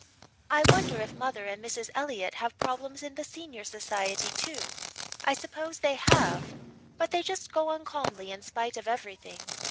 I wonder if mother and Mrs. Elliott have problems in the Senior Society too. I suppose they have, but they just go on calmly in spite of everything.